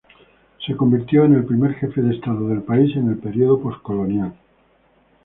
Se convirtió en el primer jefe de estado del país en el período postcolonial.